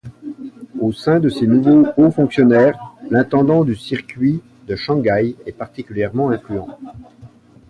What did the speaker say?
Au sein de ces nouveaux haut-fonctionnaires, l'intendant du circuit de Shanghai est particulièrement influent.